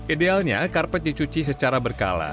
idealnya karpet dicuci secara berkala